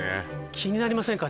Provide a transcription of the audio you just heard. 気になりませんか？